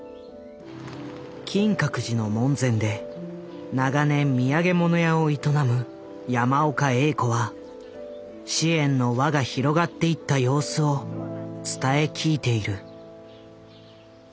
金閣寺の門前で長年土産物屋を営む山岡栄子は支援の輪が広がっていった様子を伝え聞いている。